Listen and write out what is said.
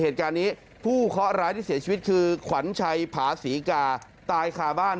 เหตุการณ์นี้ผู้เคาะร้ายที่เสียชีวิตคือขวัญชัยผาศรีกาตายคาบ้าน